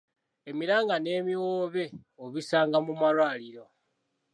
Emiranga n'ebiwoobe obisanga mu malwaliro.